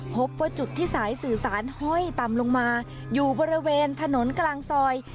พบว่าจุดที่สายสื่อสารห้อยต่ำลงมาอยู่บริเวณถนนกลางซอย